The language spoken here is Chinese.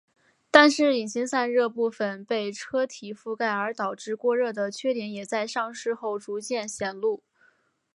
但是引擎散热部份被车体覆盖而导致过热的缺点也在上市后逐渐显露。